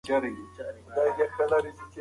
هغه وویل چې ازادې رسنۍ د ډیموکراسۍ بنسټ دی.